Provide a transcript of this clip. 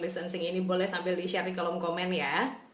distancing ini boleh sambil di share di kolom komen ya